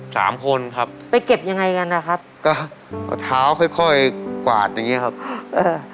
สามคนครับไปเก็บยังไงกันนะครับก็เอาเท้าค่อยค่อยกวาดอย่างเงี้ครับเออ